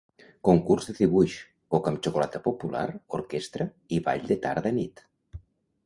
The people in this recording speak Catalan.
Concurs de dibuix, coca amb xocolata popular, orquestra i ball de tarda-nit.